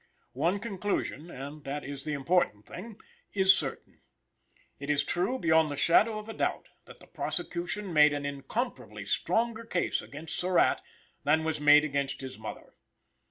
One conclusion and that is the important thing is certain. It is true, beyond the shadow of a doubt, that the prosecution made an incomparably stronger case against Surratt than was made against his mother.